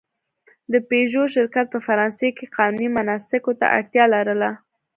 د پيژو شرکت په فرانسې کې قانوني مناسکو ته اړتیا لرله.